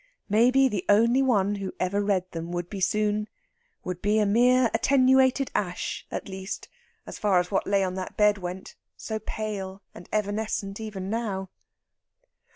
Maybe the only one who ever read them would be soon would be a mere attenuated ash, at least, as far as what lay on that bed went, so pale and evanescent even now.